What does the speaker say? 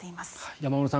山村さん